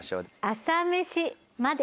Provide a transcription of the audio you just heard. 『朝メシまで。』。